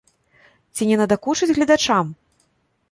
Ці не надакучыць гледачам?